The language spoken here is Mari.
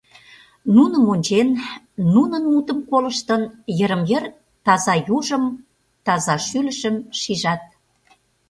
Нуным ончен, нунын мутым колыштын, йырым-йыр таза южым, таза шӱлышым шижат.